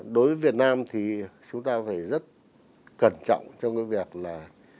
đối với việt nam thì chúng ta phải rất cẩn trọng trong cái việc là